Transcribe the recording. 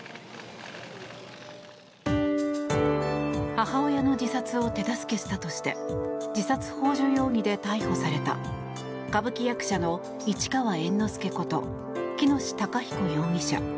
母親の自殺を手助けしたとして自殺幇助容疑で逮捕された歌舞伎役者の市川猿之助こと喜熨斗孝彦容疑者。